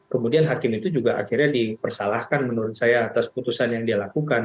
kemudian hakim itu juga akhirnya dipersalahkan menurut saya atas putusan yang dia lakukan